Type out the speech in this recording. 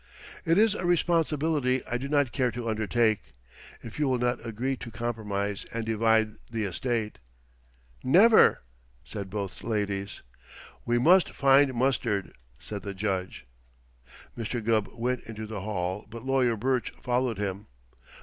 It is a responsibility I do not care to undertake. If you will not agree to compromise and divide the estate " "Never!" said both ladies. "We must find Mustard!" said the Judge. Mr. Gubb went into the hall, but Lawyer Burch followed him.